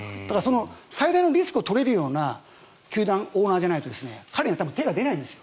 最大のリスクを取れるような球団、オーナーじゃないと彼には手が出ないんです。